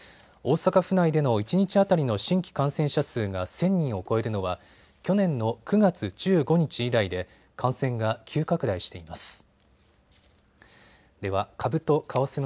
大阪府内での一日当たりの新規感染者数が１０００人を超えるのは去年の９月１５日以来で感染が急拡大しています。